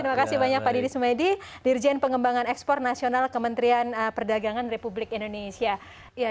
terima kasih banyak pak didi sumedi dirjen pengembangan ekspor nasional kementerian perdagangan republik indonesia